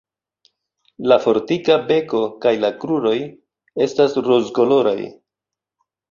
La fortika beko kaj la kruroj estas rozkoloraj.